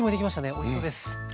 おいしそうです！